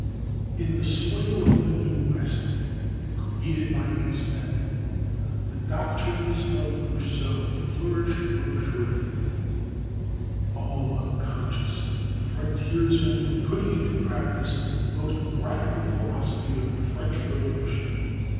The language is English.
In the soil of the new West, created by these men, the doctrines of Rousseau flourished luxuriantly. All unconscious, the frontiersmen were putting into practice the most radical philosophy of the French Revolution.